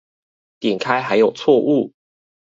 點開還有錯誤